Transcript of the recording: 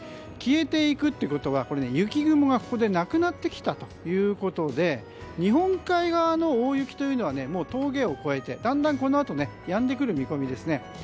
消えていくってことは、雪雲がなくなってきたということで日本海側の大雪というのは峠を越えてだんだん、このあとやんでくる見込みですね。